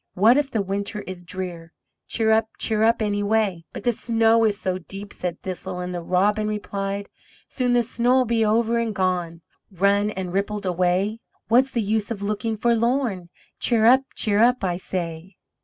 What if the winter is drear Cheerup, cheerup, anyway!" "But the snow is so deep," said Thistle, and the Robin replied: "Soon the snows'll be over and gone, Run and rippled away; What's the use of looking forlorn? Cheerup, cheerup, I say!"